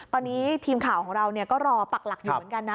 ตอนนี้ทีมข่าวของเราก็รอปักหลักอยู่เหมือนกันนะ